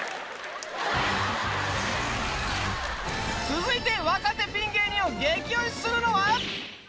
続いて若手ピン芸人を激推しするのは？